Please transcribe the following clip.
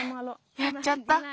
やっちゃった。